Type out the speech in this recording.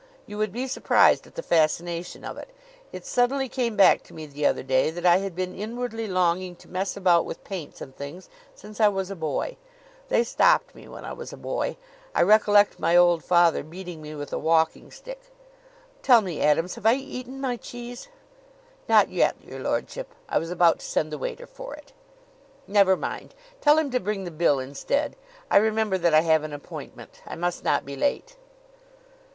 You would be surprised at the fascination of it. It suddenly came back to me the other day that I had been inwardly longing to mess about with paints and things since I was a boy. They stopped me when I was a boy. I recollect my old father beating me with a walking stick Tell me, Adams, have I eaten my cheese?" "Not yet, your lordship. I was about to send the waiter for it." "Never mind. Tell him to bring the bill instead. I remember that I have an appointment. I must not be late."